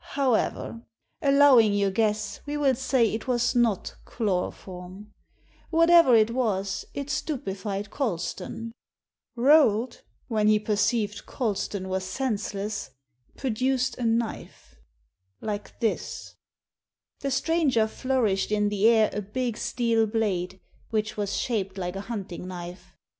However, allowing your guess, we will say it was not chloro form. Whatever it was it stupefied Colston. Rolt, Digitized by VjOOQIC A PSYCHOLOGICAL EXPERIMENT 9 when he perceived Colston was senseless, produced a knife — like this." The stranger flourished in the air a big steel blade, which was shaped like a hunting knife.